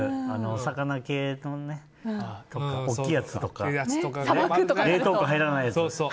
お魚系とか大きいやつとか冷凍庫入らないやつ。